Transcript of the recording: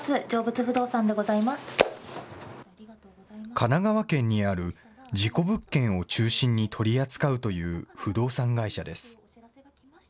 神奈川県にある、事故物件を中心に取り扱うという不動産会社です。